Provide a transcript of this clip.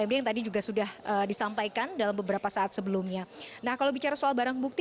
md yang tadi juga sudah disampaikan dalam beberapa saat sebelumnya nah kalau bicara soal barang bukti